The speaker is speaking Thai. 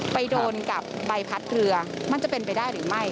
ไปโดนกับใบพัดเรือมันจะเป็นไปได้หรือไม่